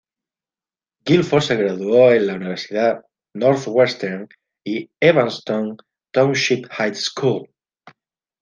Gilford se graduó en la Universidad Northwestern y Evanston Township High School.